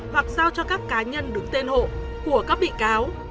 hoặc giao cho các cá nhân đứng tên hộ của các bị cáo